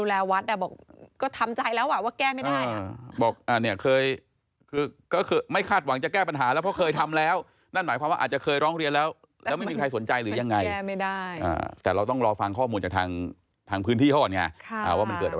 เราจะปล่อยไว้อย่างนี้หรือ